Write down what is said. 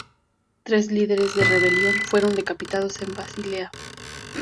Tres líderes de la rebelión fueron decapitados en Basilea.